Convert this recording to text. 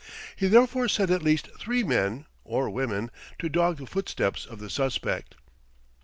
He therefore set at least three men, or women, to dog the footsteps of the suspect.